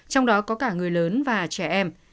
trong đó có cả người lớn và trẻ em